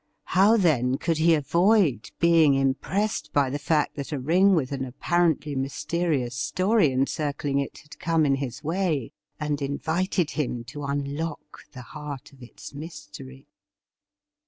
How, then, could he avoid being impressed by the fact that a ring with an apparently mysterious story encircling it had come in his way, and invited him to imlock the heart of its mystery